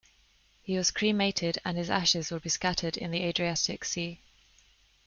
He was cremated and his ashes will be scattered in the Adriatic Sea.